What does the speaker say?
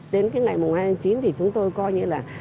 đến cái ngày mùng hai tháng chín thì chúng tôi coi như là